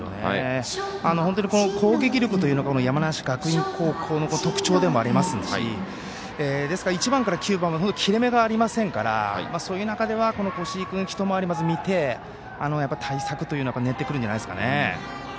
本当に攻撃力というのが山梨学院高校の特徴でもありますし１番から９番まで切れ目がありませんからそういう中ではこの越井君を一回り見て対策というのを練ってくるんじゃないですかね。